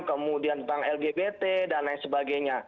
kemudian tentang lgbt dan lain sebagainya